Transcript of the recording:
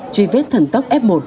truy vết thần tốc f